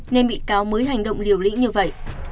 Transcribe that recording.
nên bị cáo mới hành động liều lĩnh như vậy